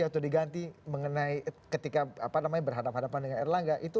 atau diganti mengenai ketika berhadapan hadapan dengan erlangga